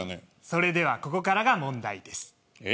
それではここからが問題です。